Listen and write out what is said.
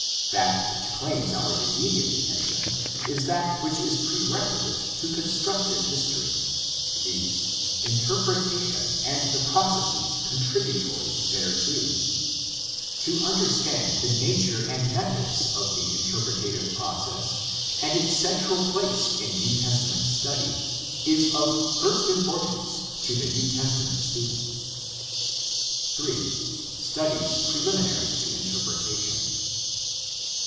That which claims our immediate attention is that which is prerequisite to constructive history, viz., interpretation and the processes contributory thereto. To understand the nature and methods of the interpretative process and its central place in New Testament study is of first importance to the New Testament student. 3. Studies preliminary to interpretation.